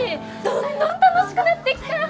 どんどん楽しくなってきた！